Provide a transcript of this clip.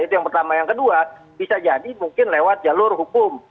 itu yang pertama yang kedua bisa jadi mungkin lewat jalur hukum